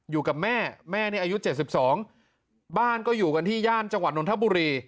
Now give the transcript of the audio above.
อยู่กับแม่แม่นี่อายุ๗๒บ้านก็อยู่กันที่ย่านจังหวัดนทบุรี